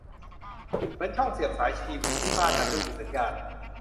เหมือนช่องเสียบสายทีวี ที่บ้านมันไม่มีสัญญาณ